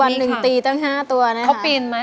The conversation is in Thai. ทั้งในเรื่องของการทำงานเคยทำนานแล้วเกิดปัญหาน้อย